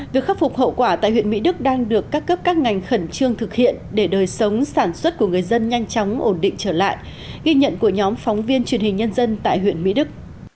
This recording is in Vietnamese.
việc khắc phục hậu quả tại huyện mỹ đức đang được các cấp các ngành khẩn trương thực hiện để đời sống sản xuất của người dân nhanh chóng ổn định trở lại ghi nhận của nhóm phóng viên truyền hình nhân dân tại huyện mỹ đức